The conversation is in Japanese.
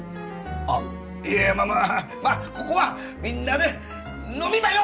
あいやまあまあここはみんなで飲みましょ！